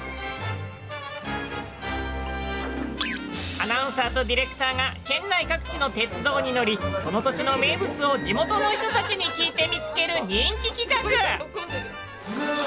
アナウンサーとディレクターが県内各地の鉄道に乗りその土地の名物を地元の人たちに聞いて見つける人気企画！